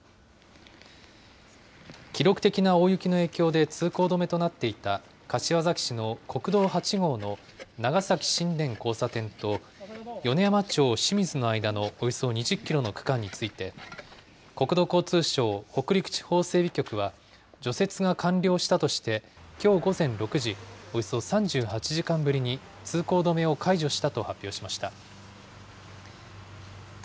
記録的な大雪の影響で通行止めとなっていた、柏崎市の国道８号の長崎新田交差点と、米山町清水の間のおよそ２０キロの区間について、国土交通省北陸地方整備局は、除雪が完了したとして、きょう午前６時、およそ３８時間ぶりに、通行止めを解除したと発表しました。